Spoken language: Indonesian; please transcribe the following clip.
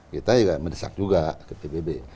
kita juga mendesak juga ke pbb